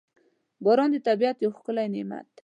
• باران د طبیعت یو ښکلی نعمت دی.